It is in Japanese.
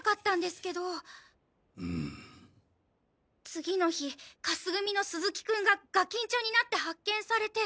次の日カス組の鈴木くんがガキンチョになって発見されて。